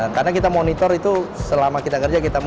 karena kami menonitor selama kami bekerja